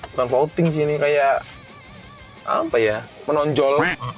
bukan voting sih ini kayak apa ya menonjol